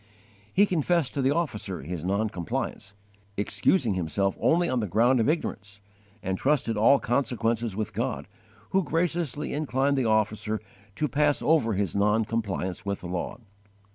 He confessed to the officer his non compliance, excusing himself only on the ground of ignorance, and trusted all consequences with God, who graciously inclined the officer to pass over his non compliance with the law.